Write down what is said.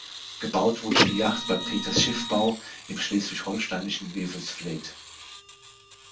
Gebaut wurde die Yacht bei Peters Schiffbau im schleswig-holsteinischen Wewelsfleth.